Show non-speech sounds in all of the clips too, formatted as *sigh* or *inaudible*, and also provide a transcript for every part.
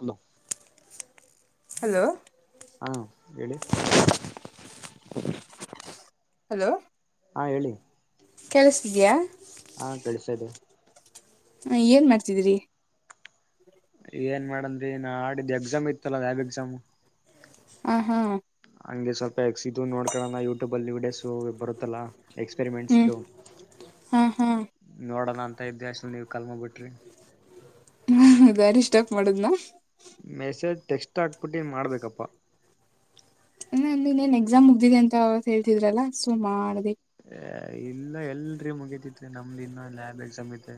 Hello hello ಹಾ ಹೇಳಿ. Hello ಹಾ ಹೇಳಿ. ಕೇಳಸ್ತಿದೆಯಾ? ಹಾ ಕೇಳಿಸ್ತಾ ಇದೆ. ಹ ಏನ್ ಮಾಡ್ತಿದ್ರಿ? ಏನ್ ಮಾಡ ಅಂದಿ ನಾಡಿದ್ದ ಎಕ್ಸಾಮ್ ಇತ್ತಲ್ಲ ಲ್ಯಾಬ್ ಎಕ್ಸಾಮ್ ಹ ಹಾ ಹಂಗೆ ಸ್ವಲ್ಪ ಎಕ್ಸಿದು ನೋಡ್ಕೊಳ್ಳೋಣ ಯೂಟ್ಯೂಬ್ ಅಲ್ಲಿ ವೀಡಿಯೋಸ್ ಬರುತ್ತಲ್ಲಾ. ಹ್ಮ್ ಎಕ್ಸ್ಪೆರಿಮೆಂಟ್ಸದು ಹಾ ಹಾ ನೋಡೋಣ ಅಂತ ಇದ್ದೇ ಅಷ್ಟರಲ್ಲಿ ನೀವ ಕಾಲ್ ಮಾಡ್ಬಿಟ್ರಿ. ಹಂ ಡಿಸ್ಟರ್ಬ್ ಮಾಡದ್ನಾ? ಮೆಸೇಜ್ ಟೆಕ್ಸ್ಟ್ ಹಾಕ್ಬಿಟ್ಟು ಹಿಂಗ್ ಮಾಡ್ಬೇಕಪ್ಪಾ. ನು ಇನ್ನೇನ್ ಎಕ್ಸಾಮ್ ಮುಗ್ದಿದೆ ಅಂತ ಅವತ್ತ ಹೇಳ್ತಿದ್ರಲ್ಲ ಸೊ ಮಾಡ್ದೇ. ಏ ಇಲ್ಲ ಎಲ್ರಿ ಮುಗತಿತ್ತು ನಮ್ದು ಇನ್ನ ಲ್ಯಾಬ್ ಎಕ್ಸಾಮ್ ಐತೆ.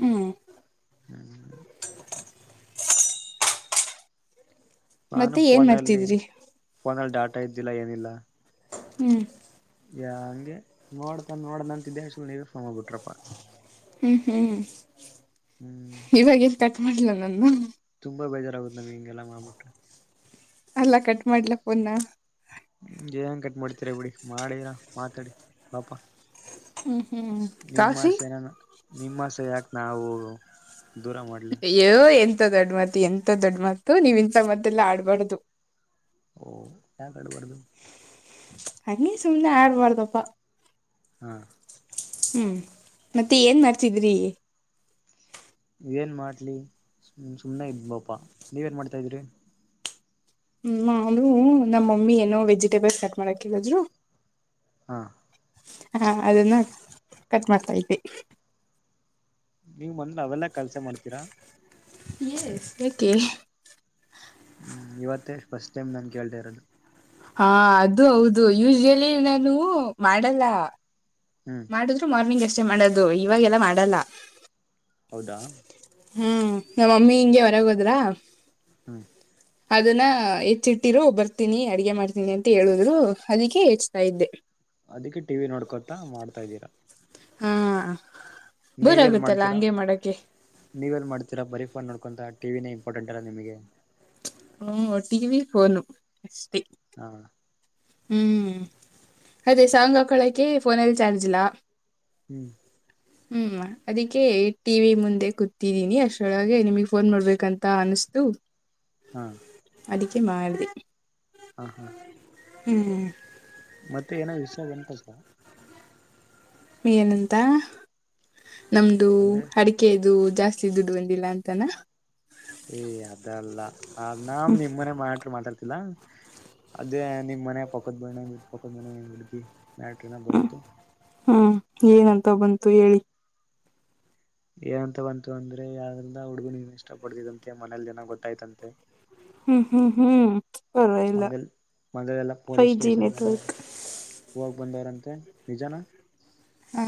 ಹ್ಮ್ ಹ್ಮ್ ನಾನು ಮತ್ತೆ ಏನ್ ಫೋನಲ್ಲಿ ಮಾಡ್ತಿದ್ರಿ ಫೋನಲ್ಲಿ ಡಾಟಾ ಇದ್ದಿಲ್ಲ ಏನಿಲ್ಲ. ಹ್ಮ್ ಯ ಹಂಗೆ ನೋಡ್ತನ್ ನೋಡನ ಅಂತಿದ್ದೆ ಅಷ್ಟ್ರಲ್ ನೀವೆ ಫೋನ್ ಫೋನ್ಮಾಡ್ಬುಟ್ರಪ್ಪಾ. ಹ್ಮ್ ಹ್ಮ್ ಹ್ಮ್ ಇವಾಗ ಏನ್ ಕಟ್ ಮಾಡ್ಲ ನಾನ್ನು. ತುಂಬಾ ಬೇಜಾರಾಗುತ್ತ್ ನಮ್ಗ್ ಇಂಗೆಲ್ಲ ಮಾಡ್ಬಿಟ್ರೆ. ಅಲ್ಲಾ ಕಟ್ ಮಾಡ್ಲ ಫೋನ್ನ. ಹ್ಮ ಏನ್ ಕಟ್ ಮಾಡ್ತಿರ ಬಿಡಿ ಮಾಡಿದಿರ ಮಾತಾಡಿ ಪಾಪ. ಹ್ಮ್ ಹ್ಮ್ ಕಾಫಿ ನಿಮ್ಮಾಸೆನ ನಿಮ್ಮಾಸೆ ಯಾಕ್ ನಾವು ದೂರ ಮಾಡಲಿ. ಯೋ ಎಂತ ದೊಡ್ಡ ಮಾತ್ ಎಂತ ದೊಡ್ಡ ಮಾತು ನೀವ್ ಇಂತ ಮಾತ್ತೆಲ್ಲ ಆಡ್ಬಾರ್ದು. ಓ ಯಾಕಾಡುಬಾರ್ದು. ಹಂಗೆ ಸುಮ್ನೆ ಆಡ್ಬಾರ್ದಪ್ಪ. ಹಾ ಹ್ಮ್ ಮತ್ತೆ ಏನ್ ಮಾಡ್ತಿದ್ರಿ. ಏನ್ ಮಾಡ್ಲಿ ಸುಮ್ ಸುಮ್ ಹ್ಮ್ ನಾನೂ ನಮ್ಮ್ ಮಮ್ಮಿ ಏನೋ ವೆಜಿಟೇಬಲ್ಸ್ ಕಟ್ ಮಾಡಾಕೇಳದ್ರು. ಹಾ ಹಾ ಅದನ್ನ ಕಟ್ ಮಾಡ್ತಾ ಇದಿ. ನೀವ್ ಮನ್ಲಿ ಅವೆಲ್ಲಾ ಕೆಲ್ಸ ಮಾಡ್ತೀರಾ. ಯೇಸ್ ಯಕೆ. ಹ್ಮ್ ಇವತ್ತೆ ಫಸ್ಟ್ ಟೈಮ್ ನಾನ್ ಕೇಳ್ತ ಇರೋದು. ಹಾ ಅದು ಹೌದು ಯೂಶಲಿ ನಾನೂ ಮಾಡಲ್ಲ. ಹ್ಮ್ ಮಾಡುದ್ರು ಮಾರ್ನಿಂಗ್ ಅಷ್ಟೇ ಮಾಡೋದು ಇವಾಗೆಲ್ಲಾ ಮಾಡಲ್ಲ. ಹೌದಾ ಹ್ಮ್ ನಮ್ಮಮ್ಮಿ ಹಿಂಗೆ ಹೊರಗ ಹೋದ್ರಾ. ಹ್ಮ ಅದನ್ನ ಹೆಚ್ಚಿಟ್ಟಿರೋ ಬರ್ತೀನಿ ಅಡಗೆ ಮಾಡ್ತೀನಿ ಅಂತ ಹೇಳುದ್ರು ಅದಕ್ಕೆ ಹೆಚ್ತಾ ಇದ್ದೆ. ಅದಕ್ಕೆ ಟಿವಿ ನೋಡ್ಕೊತಾ ಮಾಡ್ತಾ ಇದ್ದೀರಾ. ಹಾ ಬೋರ್ ಆಗುತ್ತಲ್ಲಾ ಹಂಗೆ ಮಾಡಕೆ. ನೀವೆಲ್ಲಿ ಮಾಡ್ತಿರ ಬರೀ ಫೋನ್ ನೋಡ್ಕೊಂತ ಟೀವಿನೇ ಇಂಪಾರ್ಟೆಂಟ್ ಅಲ್ಲ ನಿಮಗೆ. ಹ್ಮ ಟೀವಿ ಫೋನು ಅಷ್ಟೇ. ಹಾ ಹ್ಞೂ ಅದೇ ಸಾಂಗ್ ಹಾಕ್ಕಳೋಕ್ಕೆೆ ಫೋನಲ್ಲಿ ಚಾರ್ಜಿಲ್ಲ. ಹ್ಮ್ ಹ್ಮ್ ಅದಿಕ್ಕೆ ಟಿವಿ ಮುಂದೆ ಕೂತ್ತಿದಿನಿ ಅಷ್ಟ್ರೊಳಗೆ ನಿಮಗ್ ಫೋನ್ ಮಾಡ್ಬೇಕಂತ ಅನ್ಸತು. *inaudible* ಹಾ ಅದಿಕ್ಕೆ ಮಾಡ್ದೆ. ಹಾ ಹಾ ಹ್ಮ್ ಮತ್ತೆ ಏನೋ ವಿಷಯ ಬಂತಪ್ಪ. ಏನಂತ ನಮ್ದು ಅದೇ ಅಡ ಕೆ ಇದು ಜಾಸ್ತಿ ದುಡ್ಡು ಬಂದಿಲ್ಲ ಅಂತಾನ. ಏ ಅದಲ್ಲ ಅದ ನ ನಿಮ್ ಮನೆ ಮಾಟ್ರ ಮಾತಾಡ್ತಿಲ್ಲಾ. ಅದೇ ನಿಮ್ ಮನೆ ಪಕ್ಕೋದ್ ಮನೆ ಪಕ್ಕೋದ ಮನೆ ಹುಡ್ಗಿ ಮ್ಯಾಟರ್ ಏನೋ ಹ್ಮ್ ಬಂತು ಹ್ಮ್ ಏನಂತ ಬಂತು ಹೇಳಿ. ಏನಂತ ಬಂತು ಅಂದ್ರೆ ಯಾವ್ದ್ರಿಂದ ಹುಡುಗುನ ನೀ ಇಷ್ಟ ಪಡ್ತಿದಂತೆ ಮನೇಲಿ ಏನೋ ಗೊತ್ತಾಯ್ತಂತೆ ಹ್ಮ್ ಹ್ಮ್ ಹ್ಮ್ ಪರವಾಗಿಲ್ಲ ಮನೆ ಮನೇಲ ಎಲ್ಲ ಫೈವ್ ಪೊಲೀಸ್ ಜಿ ಸ್ಟೇಷನ್ ಏನು ನೆಟ್ವರ್ಕ್ ಹೋಗಿ ಬಂದವ್ರಂತೆ ನಿಜಾನ. ಹ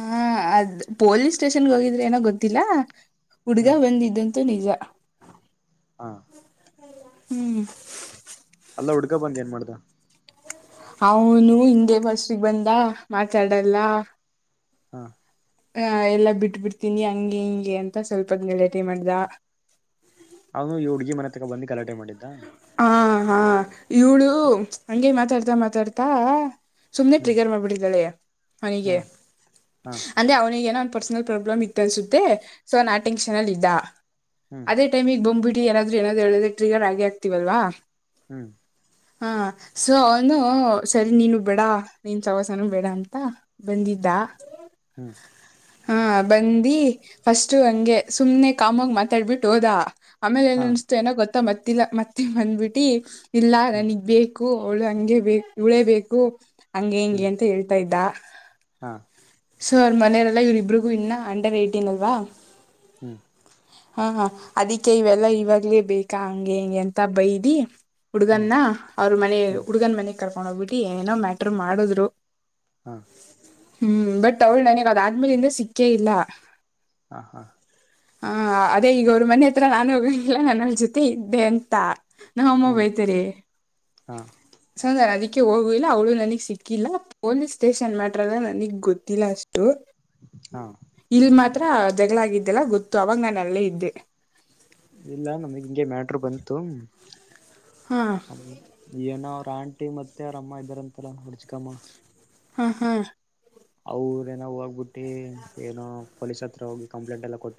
ಅದ್ ಪೊಲೀಸ್ ಸ್ಟೇಷನ್ಗೆ ಹೋಗಿದ್ರೆ ಏನೋ ಗೊತ್ತಿಲ್ಲ ಹುಡ್ಗ ಹ್ಮ್ ಬಂದಿದ್ದಂತೂ ನಿಜ. ಹಾ. ಹ್ಮ್. ಅಲ್ಲಾ ಹುಡ್ಕಾ ಬಂದ ಏನ್ ಮಾಡ್ದ ಅವನು ಹಿಂಗೇ ಫಸ್ಟ್ಗೆ ಬಂದ ಮಾತಾಡಲ್ಲ ಹಾ. ಅ ಎಲ್ಲಾ ಬಿಟ್ ಬಿಡ್ತೀನಿ ಹಂಗೆ ಹಿಂಗೆ ಅಂತ ಸ್ವಲ್ಪ ಹೊತ್ತ್ ಗಲಾಟೆ ಮಾಡ್ದ ಅವನು ಈ ಹುಡಗಿ ಮನೆ ತಗ ಬಂದು ಗಲಾಟೆ ಮಾಡಿದ್ದ. ಹಾ ಹಾ ಇವಳು ಹಂಗೆ ಮಾತಾಡ್ತಾ ಮಾತಾಡ್ತಾ ಸುಮ್ನೆ ಹ್ಮ್ ಟ್ರಿಗರ್ ಮಾಡ್ಬಿಟ್ಟಿದ್ದಾಳೆ ಹ ಅವನಿಗೆ ಹ ಅಂದ್ರೆ ಅವನಿಗೆ ಏನೋ ಪರ್ಸನಲ್ ಪ್ರಾಬ್ಲಮ್ ಇತ್ತು ಅನ್ಸುತ್ತೆ ಸೊ ಅವನ್ ಆ ಟೆನ್ಷನ್ ಅಲ್ಲಿ ಇದ್ದ ಹ್ಮ್ ಅದೇ ಟೈಮಿಗೆ ಬಂಬ್ಬಟ್ಟ ಯಾರಾದ್ರೂ ಏನಾದ್ರು ಹೇಳಿದ್ರೆ ತ್ರಿಗರ ಆಗೇ ಆಗ್ತತಿವಲ್ವಾ. ಹ್ಮ್. ಹಾ ಸೊ ಅವನು ಸರಿ ನೀನು ಬೇಡ ನೀನ್ ಸವಾಸನು ಬೇಡ ಅಂತ. ಬಂದಿದ್ದ. ಹ್ಮ್. ಹಾ ಬಂದಿ ಫಸ್ಟು ಹಂಗೆ ಸುಮ್ನೆ ಕಾಮಾಗ ಮಾತಾಡ್ಬಿಟ್ಟು ಹೋದ. ಆಮೇಲೆ ಏನ ಹಾ ಅನಿಸ್ತೋ ಏನೋ ಗೊತ್ತಾ ಮತ್ತಿಲ್ಲ ಮತ್ತೆ ಬಂದ್ಬಿಟ್ಟಿ ಇಲ್ಲಾ ಹ್ಮ್ ನನಗ್ ಬೇಕ ಅವ್ಳು ಹಂಗೆ ಬೆಕ್ ಇವಳೇ ಬೇಕು ಹಂಗೆ ಹಿಂಗೆ ಹ್ಮ್ ಅಂತ ಹೇಳ್ತಾ ಇದ್ದ ಹಾ. ಸೊ ಅವ್ರ ಮನೆಯರೆಲ್ಲ ಇವ್ರ ಇಬ್ರರಿಗೂ ಇನ್ನ ಅಂಡರ್ ಏಟೀನ್ ಅಲ್ವಾ ಹ್ಮ್. ಹಾ ಹ ಅದಿಕ್ಕೆ ಇವೆಲ್ಲಾ ಇವಾಗ್ಲೇ ಬೇಕಾ ಹಂಗೆ ಹಿಂಗೆ ಅಂತ ಬೈದಿ. ಹ್ಮ್ ಹುಡ್ಗನ್ನ ಅವ್ರ ಮನೆ ಹ್ಮ್ ಹುಡುಗನ ಮನೆಗ್ ಕರ್ಕೊಂಡು ಹೋಗ್ಬಿಟ್ಟು ಏನೋ ಮ್ಯಾಟ್ರ್ ಮಾಡಿದ್ರು. ಹಾ. ಹ್ಮ್ ಬಟ್ ಅವ್ಳು ನನಗ್ ಅದಾದ್ಮೇಲಿಂದ ಸಿಕ್ಕೇ ಇಲ್ಲ. ಹಾ ಹಾ. ಹ ಅದೇ ಈಗ ಅವ್ರ ಮನೆ ಹತ್ರ ನಾನು ಹೋಗಲಿಲ್ಲ ನಾನ್ ಅವಳ್ ಜೊತೆ ಇದ್ದೆ ಅಂತ ನಮ್ಮಮ್ಮಾ ಹ್ಮ್ ಬೈತೆರೆ ಹಾ ಸೊ ಅದಕ್ಕೆ ಹೋಗು ಇಲ್ಲ ಅವಳು ನನಗ್ ಸಿಕ್ಕಿಲ್ಲ ಪೊಲೀಸ್ ಸ್ಟೇಷನ್ ಮ್ಯಾಟ್ರಂದ್ರ ನನಗ್ ಗೊತ್ತಿಲ್ಲ ಅಷ್ಟ *inaudible* ಹಾ. ಇಲ್ ಮಾತ್ರ ಜಗಳಾಗಿದ್ದೆಲ್ಲ ಗೊತ್ತು ಅವಾಗ್ ನಾನ್ ಅಲ್ಲೇ ಇದ್ದೆ. ಇಲ್ಲ ನಮಗ್ ಹಿಂಗೆ ಮ್ಯಾಟರು ಬಂತು. ಹಾ. ಹ್ಮ್ ಏನೋ ಅವ್ರ ಆಂಟಿ ಮತ್ತೆ ಅವ್ರ ಅಮ್ಮ ಇದ್ದಾರ ಅಂತಲ್ಲ ಅವ್ರ್ ಚಿಕ್ಕಮ್ಮ. ಹಾ ಹಾ ಅವರ ಏನ ಹೋಗ್ಬಿಟ್ಟಿ ಏನೋ ಪೊಲೀಸ್ ಹತ್ರ ಹೋಗಿ ಕಂಪ್ಲೇಂಟ್ ಎಲ್ಲ ಕೊಟ್ಟ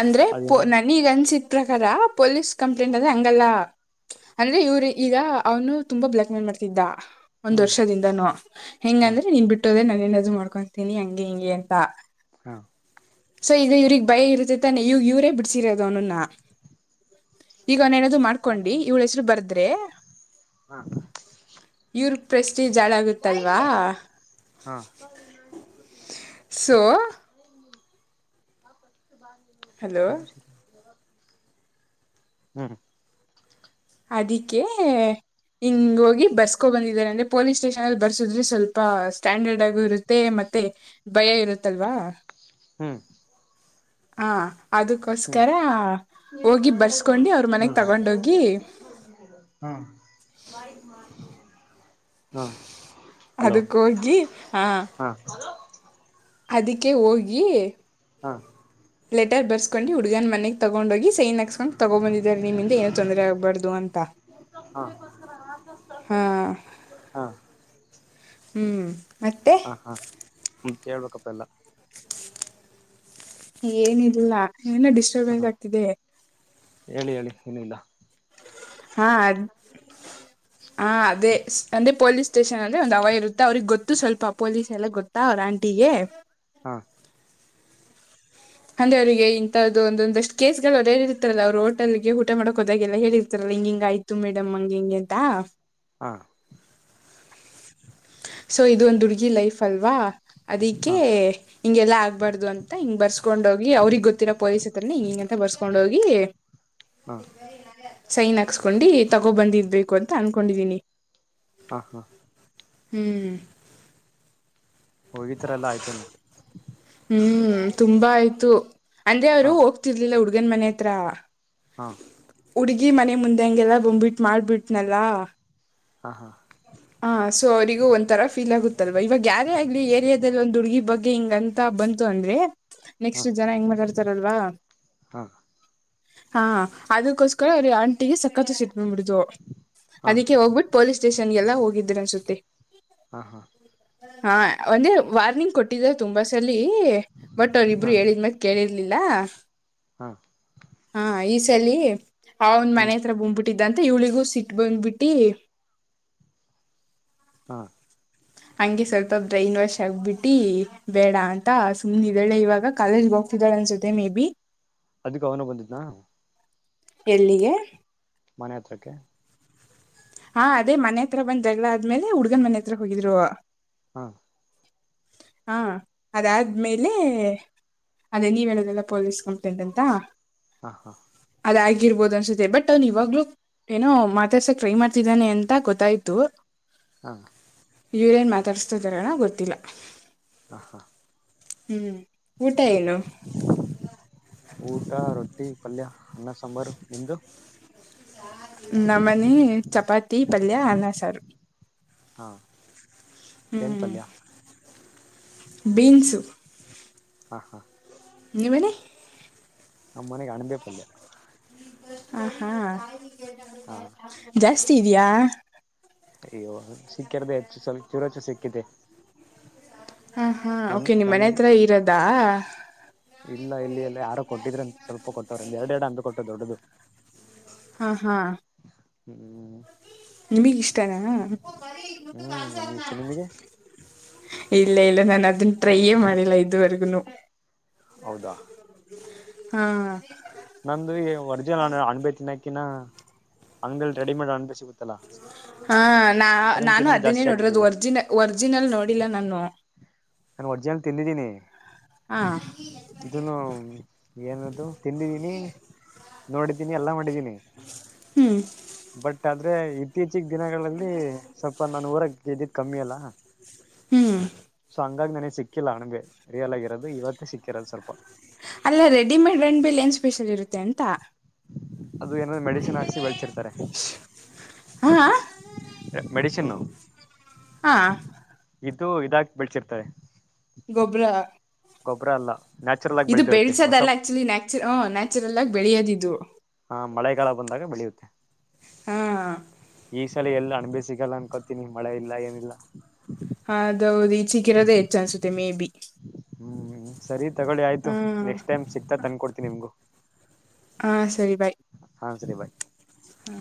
ಅಂದ್ರೆ ಪೋ ಅದೇನ ನನ್- ನೀಗ ಅನ್ಸಿದ ಪ್ರಕಾರ ಪೊಲೀಸ್ ಕಂಪ್ಲೇಂಟ್ ಅಂದ್ರೆ ಹಂಗಲ್ಲ. ಅಂದ್ರೆ ಇವ್ರ ಈಗ ಅವನು ತುಂಬಾ ಬ್ಲ್ಯಾಕ್ಕ್ ಮೇಲ್ ಮಾಡ್ತಿದ್ದ. ಒಂದ್ ಹ್ಮ್ ವರ್ಷದಿಂದನು ಹೆಂಗ ಹಾ ಅಂದ್ರೆ ನೀನ್ ಬಿಟ್ಟೋದ್ರೆ ನಾನೇನಾದ್ರು ಮಾಡ್ಕೊತೀನಿ ಹಂಗೆ ಹಿಂಗೆ ಅಂತ. ಹಾ ಸೊ ಈಗ ಇವ್ರಗ್ ಭಯ ಇರ್ತೈತ್ತಾನೆ ಇವಗ್ ಇವ್ರೇ ಬಿಡ್ಸಿರೋದು ಅವನನ್ನ. ಈಗ ಅವನೇನಾದ್ರು ಹೇಳಮ್ಮ ಮಾಡ್ಕೊಂಡಿ ಇವ್ಳ ಹೆಸರು ಬರ್ದ್ರೆ ಹಾ ಇವ್ರ ಪ್ರಿಸ್ಟೇಜ್ ಬಾ ಹಳಾಗುತ್ತಲ್ವಾ. ಇಲ್ಲಿ ಹಾ *inaudible* ಸೊ ಹಲೋ ಹ್ಮ್ ಅದಿಕ್ಕೆ. ಹಿಂಗ ಹೋಗಿ ಬರ್ಸಕೋ ಬಂದಿದ್ದಾರೆ ಅಂದ್ರೆ ಪೊಲೀಸ್ ಸ್ಟೇಷನ್ ಅಲ್ಲಿ ಬರ್ಸಿದ್ರೆ ಸ್ವಲ್ಪ ಸ್ಟ್ಯಾಂಡರ್ಡ್ ಆಗು ಇರುತ್ತೆ. ಮತ್ತೆ ಮತ್ತೆ ಭಯ ಇರುತ್ತಲ್ವಾ. ಹ್ಮ್ ಹ ಹ್ಮ್ ಅದಕ್ಕೋಸ್ಕರ ಇಲ್ಲಿ ಹೋಗಿ ಒಳಗಡೆ ಮಾಡಿ ಬರ್ಸ್ಕೊಂಡು ಅವ್ರ ಮನೆಗ್ ತಗೊಂಡೋಗಿ ಇಲ್ಲಿ *unintelligible* ಹ್ಮ *unintelligible* ಹಾಂ ಹಲೋ ಅದಕ್ ಹೋಗಿ ಹಾಂ. ಅದಿಕ್ಕೆ ಹೋಗಿ. ಹಾ *inaudible* ಲೆಟರ್ ಬರ್ಸ್ಕೊಂಡು ಹುಡ್ಗನ್ ಮನೆಗ್ ತಗೊಂಡ ಹೋಗಿ ಸೈನ್ ಹಾಸ್ಕೊಂಡು ತಗೊ ಬಂದಿದ್ದಾರೆ ನಿಮ್ಮಿಂದ ಏನು ತೊಂದರೆ ಆಗ್ಬಾರ್ದು ಅಂತ. ಹಾ ಹಾ ಹ್ಮ್ ಮತ್ತೆ. ಮತ್ ಎಳ್ಬೇಕಪ್ಪ ಎಲ್ಲ. ಏನಿಲ್ಲ ಏನ ಹ ಡಿಸ್ಟರ್ಬೆನ್ಸ್ ಆಗ್ತಿದೆ. ಹೇಳಿ ಹೇಳಿ ಏನೂ ಇಲ್ಲ. ಹಾ ಅದ ಹ ಅದೇ ಅಂದ್ರೆ ಪೊಲೀಸ್ ಸ್ಟೇಷನ್ ಅಲ್ಲಿ ಒಂದು ಅವ ಇರುತ್ತೆ ಅವ್ರಿಗೆ ಗೊತ್ತು ಸ್ವಲ್ಪ ಪೊಲೀಸ್ ಎಲ್ಲ ಗೊತ್ತ ಅವ್ರ ಆಂಟಿಗೆ. ಹಾ ಅಂದ್ರೆ ಅವ್ರರಿಗೆ ಇಂತದ್ದ ಒಂದೊಂದಷ್ಟ ಕೇಸ್ಗಳು ಅವ್ರು ಹೇಳಿರ್ತಾರಲ್ಲ ಅವರು ಹೋಟಲ್ ಊಟ ಮಾಡೋಕ್ದಾಗಲ್ಲ ಹೇಳಿರ್ತಾರೆ. ಹಿಂಗ ಹಿಂಗ ಆಯ್ತು ಮೇಡಮ್ ಹಂಗ ಹಿಂಗೆ ಅಂತ. ಹಾ ಸೊ ಇದೊಂದು ಹುಡ್ಗಿ ಲೈಫ್ ಅಲ್ವಾ ಅದಕ್ಕೆ. ಹಾ ಹಿಂಗೆಲ್ಲಾ ಆಗ್ಬಾರ್ದ ಅಂತ ಹಿಂಗ ಬರ್ಸ್ಕೊಂಡ್ ಹೋಗಿ ಅವ್ರಗ್ ಗೊತ್ತಿರ ಪೊಲಸ್ತ್ರನನೆ ಹಿಂಗಂತ ಬರ್ಸ್ಕೊಂಡ್ ಹೋಗಿ. ಹಾ ಸೈನ್ ಹಾಕ್ಸ್ಕೊಂಡು ತಗೋಬಂದಿದ್ಬೇಕು ಅಂತ ಅನ್ಕೊಂಡಿದೀನಿ. ಹಾ ಹಾ ಹ್ಮ್ ಹೋಗಿದ್ರಲ್ಲ ಆಚೆನೂ. ಹ್ಮ್ ತುಂಬ ಆಯ್ತು. ಅಂದ್ರೆ ಅವರು ಹಾ ಹೋಗ್ತಿರ್ಲಿಲ್ಲ ಹುಡ್ಗನ್ ಮನೆ ಹತ್ರ. ಹಾ ಹುಡ್ಗಿ ಮನೆ ಮುಂದೆ ಹಂಗೆಲ್ಲ ಬಂಬ್ಬಿಟ್ಟ ಮಾಡ್ಬಿಟ್ನಲ್ಲಾ. ಹಾ ಹಾ ಹಾ ಸೊ ಅವ್ರಿಗೂ ಒಂಥರ ಫೀಲ್ ಆಗುತ್ತಲ್ವಾ ಇವಾಗ ಯಾರೇ ಆಗ್ಲಿ ಏರಿಯಾದಲ್ಲಿ ಒಂದ್ಹುಡ್ಗಿ ಬಗ್ಗೆ ಹಿಂಗಂತ್ ತಾ ಬಂತು ಅಂದ್ರೆ ನೆಕ್ಸ್ಟ್ ಜನ ಹೆಂಗ್ ಮಾತಾಡ್ತಾರಲ್ವಾ. ಹಾ ಹಾ ಹಾಂ ಅದಕ್ಕೋಸ್ಕರ ಅವ್ರ ಆಂಟಿಗೆ ಸಕ್ಕತ್ ಸಿಟ್ಟ್ ಬಂದ್ಬಿಡ್ತು ಹಾ ಹಾ ಅದಕ್ಕೆ ಹೋಗ್ಬಿಟ್ಟು ಪೋಲೀಸ್ ಸ್ಟೇಷನ್ಗೆಲ್ಲಾ. ಹೋಗಿದ್ರನ್ಸುತ್ತೆ. ಹಾ ಹಾ ಹಾ ಒಂದೆ ವಾರ್ನಿಂಗ್ ಕೊಟ್ಟಿದ್ರ ತುಂಬಾ ಸಲೀ. ಬಟ್ ಅವ್ರ್ ಇಬ್ರು ಹೇಳಿದ್ಮಾತ್ ಕೇಳಿರ್ಲಿಲ್ಲ. ಹಾ ಹಾ ಈ ಸಲಿ ಅವನ್ ಹ್ಮ್ ಮನೆ ಹತ್ರ ಬಂಬ್ಬಿಟ್ಟಿದ್ದಂತ ಇವ್ಳಿಗೂ ಸಿಟ್ ಬಂದ್ಬಿಟ್ಟಿ. ಹಾಂ ಹಂಗೆ ಸ್ವಲ್ಪ ಬ್ರೈನ್ ವಾಷ್ ಆಗ್ಬಿಟ್ಟಿ ಬೇಡ ಅಂತ ಸುಮ್ನಿದಾಳೆ ಇವಾಗ ಕಾಲೇಜ್ ಗೆೊ ಗ್ತಿದಾಳೆ ಅನ್ಸುತ್ತೆ ಮೇ ಬಿ ಅದಕ್ಕ ಅವ್ನು ಬಂದಿದ್ನಾ. ಎಲ್ಲಿಗೆ. ಮನೆ ಹತ್ರಕ್ಕೆ. ಹಾ ಅದೇ ಮನೆ ಹತ್ರ ಬಂದ್ ಜಗಳ ಆದ್ಮೇಲೆ ಹುಡ್ಗನ್ ಮನೆ ಹತ್ರ ಹೋಗಿದ್ರು. ಹಾ ಹಾಂ ಅದಾದ್ಮೇಲೆ. ಅದೇ ನೀವ್ ಹೇಳೋದ್ರಲ್ಲ ಪೊಲೀಸ್ ಕಂಪ್ಲೇಂಟ್ ಅಂತ. ಹಾ ಹಾ ಅದಾಗಿರ್ಬೋದು ಅನ್ಸುತ್ತೆ ಬಟ್ ಅವ್ನ್ ಇವಾಗ್ಲು ಏನೋ ಮಾತಾಡ್ಸಕ್ ಟ್ರೈ ಮಾಡ್ ತಿದಾನೆ ಅಂತ ಗೊತ್ತಾಯ್ತು. ಹಾಂ ಇವ್ರೇನ್ ಮಾತಾಡಸ್ತಿದರೇನ ಗೊತ್ತಿಲ್ಲ. ಹಾ ಹಾ ಹ್ಮ್ ಊಟ ಏನು. ಊಟ ರೊಟ್ಟಿ ಪಲ್ಯ ಅನ್ನ ಸಾಂಬಾರು ನಿಮ್ದು. ನಮ್ಮನಿ ಚಪಾತಿ ಪಲ್ಯಾ ಅನ್ನ ಸಾರು. ಹಾಂ ಹ್ಮ್ ಬೀನ್ಸು. ಹಾ ಹಾ ನೀವೆಳಿ. ನಮ್ಮನೆಗೆ ಅಣಬೇ ಪಲ್ಯ. ಹಾ ಹಾ ಹಾ ಜಾಸ್ತಿ ಇದ್ಯಾ. ಅಯ್ಯೋ ಸಿಕ್ಕಿರ್ದೆ ಹೆಚ್ಚು ಸ್ವಲ್ಪ್ ಚೂರಚ್ಚು ಸಿಕ್ಕದೆ. ಹಾ ಹಾ ಓಕೆ ನಿಮ್ಮ್ ಮನೆ ಹತ್ರ ಇರದಾ. ಇಲ್ಲ ಇಲ್ಲಿ ಎಲ್ಲ ಯಾರೋ ಕೊಟ್ಟಿದ್ರಂತ್ ಸ್ವಲ್ಪ ಕೊಟ್ಟವ್ರೆ ಎರಡ್ ಎರಡು ಅಂದು ಕೊಟ್ಟ ದೊಡ್ಡದು. ಹಾಂ ಹಾಂ ಹ್ಮ್ ನಿಮಗಿಷ್ಟಾನಾ. ಹ್ಮ್ ನಮ್ಗೆ ಇಷ್ಟ ನಿಮಗೆ ಇಲ್ಲ ಇಲ್ಲ ನಾನ್ ಅದನ್ನ ಟ್ರೈಯೆ ಮಾಡಿಲ್ಲ ಇದುವರ್ಗುನು. ಹೌದಾ ಹಾಂ ನಮ್ದು ಈ ಒರ್ಜಿನಲ್ ಅಣಬೆ ತಿನ್ನಕ್ಕಿನ ಅಂಗಡಿಲ್ ರೆಡಿಮೇಡ್ ಅಣಬೆ ಸಿಗುತ್ತಲ್ಲಾ. ಹಾ ನಾ ನಾನು ಅದನ್ನೇ ನೋಡಿರದು ಆಗ್ಬಿಟ್ಟಿದೆ ಒರ್ಜಿನ ಒರ್ಜಿನಲ್ ನೋಡಿಲ್ಲ ನಾನು. ನಾನ್ ವರ್ಜಿನಲ್ ತಿಂದಿದ್ದೀನಿ. ಹಾ ಇದನ್ನು ಏನದು ತಿಂದಿದೀನಿ ನೋಡಿದೀನಿ ಎಲ್ಲಾ ಮಾಡಿದೀನಿ. ಹ್ಮ್ ಬಟ್ ಅದ್ ಅಂದ್ರೆ ಇತ್ತೀಚಿಗ್ ದಿನಗಳಲ್ಲಿ ಸ್ವಲ್ಪ ನಾನೂರಾಗ್ ಇದ್ದಿದ್ ಕಮ್ಮಿ ಅಲ್ಲ. ಹ್ಮ್ ಸೊ ಹಂಗಾಗಿ ನನಗೆ ಸಿಕ್ಕಿಲ್ಲ ಅಣಬೆ ರಿಯಲ್ ಆಗಿರೋದು ಇವತ್ತು ಸಿಕ್ಕಿರೋದು ಸ್ವಲ್ಪ. ಅಲ್ಲ ರೆಡಿಮೇಡ್ ರೆಂಡ್ಬೇಲ್ ಏನ್ ಸ್ಪೆಷಲ್ ಇರುತ್ತೆ ಅಂತ. ಅದು ಏನಾದ್ರು ಮೆಡಿಸಿನ್ ಹಾಕ್ಸಿ ಬೆಳ್ಸಿರ್ತಾರೆ. ಹಾ ಮೆಡಿಸಿನ್ನು. ಹಾಂ ಇದು ಇದಾಕಿ ಬೆಳ್ಸಿರ್ತಾರೆ. ಗೊಬ್ಬರ. ಗೊಬ್ಬರ ಅಲ್ಲ. ನ್ಯಾಚುರಲ್ ಆಗಿ ಇದು ಬೆಳೆದಿರುತ್ತೆ ಹೊಸ ಬೆಳ್ಸದಲ್ಲ ಆಕ್ಚುಲಿ ನ್ಯಾಚು ಹ್ಮು ನ್ಯಾಚುರಲಾಗಿ ಬೆಳೆಯೋದಿದು. ಹಾ ಮಳೆಗಾಲ ಬಂದಾಗ ಬೆಳಿಯುತ್ತೆ. ಹಾಂ ಈ ಸಲ ಎಲ್ಲ ಅಣ್ಬೆ ಸಿಗಲ್ಲ ಅನ್ಕೋತೀನಿ ಮಳೆ ಇಲ್ಲ ಏನಿಲ್ಲ. ಅದೌದು ಇದ್ ಸಿಕ್ಕಿರೋದೇ ಹೆಚ್ಚು ಅನ್ಸುತ್ತೆ ಮೇ ಬಿ. ಹ್ಮ್ ಸರಿ ತಗೊಳ್ಳಿ ಆಯ್ತು ಹಾ ನೆಕ್ಸ್ಟ್ ಟೈಮ್ ಸಿಕ್ತಾ ತಂದ್ಕೊಡ್ತೀನಿಮ್ಗು. ಹಾ ಸರಿ ಬಾಯ್. ಹಾ ಸರಿ ಬಾಯ್. ಹ್ಮ್